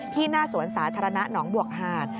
หน้าสวนสาธารณะหนองบวกหาด